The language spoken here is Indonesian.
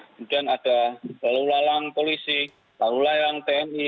kemudian ada lalu lalang polisi lalu layang tni